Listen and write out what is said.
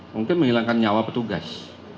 mungkin menghilangkan nyawa petugas